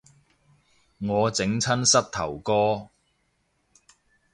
我整親膝頭哥